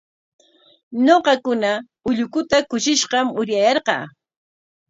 Ñuqakuna ullukuta kushishqam uryayarqaa.